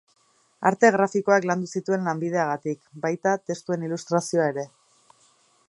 Arte grafikoak landu zituen lanbideagatik, baita, testuen ilustrazioa ere.